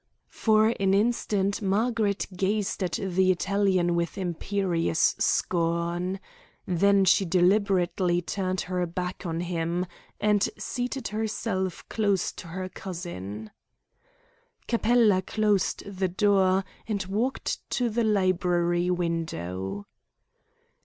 For an instant Margaret gazed at the Italian with imperious scorn. Then she deliberately turned her back on him, and seated herself close to her cousin. Capella closed the door and walked to the library window.